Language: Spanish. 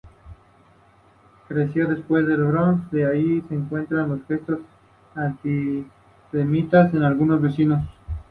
Creció, pues en el Bronx; de allí recuerda los gestos antisemitas de algunos vecinos.